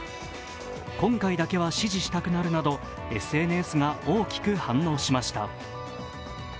今回だけは支持したくなるなどＳＮＳが大きく反応しました。